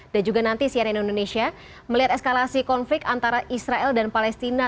dan juga nanti siaran indonesia melihat eskalasi konflik antara israel dan palestina